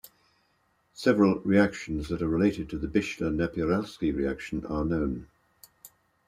Several reactions that are related to the Bischler-Napieralski reaction are known.